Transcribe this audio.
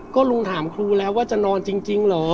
ก็ลุงถามครูแล้วว่าจะนอนจริงเหรอ